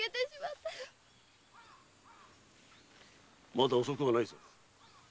まだ遅くはないぞ。